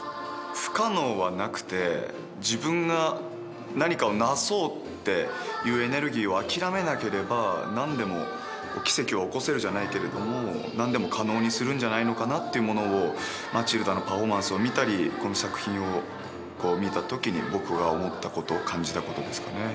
不可能はなくて自分が何かをなそうっていうエネルギーを諦めなければ何でも奇跡は起こせるじゃないけども何でも可能にするんじゃないのかなっていうものをマチルダのパフォーマンスを見たりこの作品を見た時に僕が思ったこと感じたことですかね。